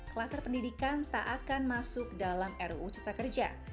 kluster pendidikan tak akan masuk dalam ruu cipta kerja